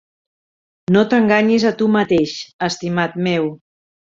No t"enganyis a tu mateix, estimat meu.